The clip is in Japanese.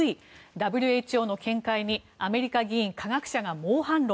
ＷＨＯの見解にアメリカ議員、科学者が猛反論。